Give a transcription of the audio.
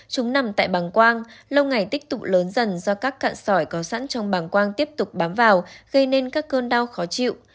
chúng nằm tại bằng quang lâu ngày tích tụ lớn dần do các cạn sỏi có sẵn trong bảng quang tiếp tục bám vào gây nên các cơn đau khó chịu